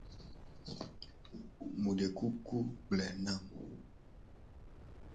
Mu de kuku gbloe na mu.